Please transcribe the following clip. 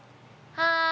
はい。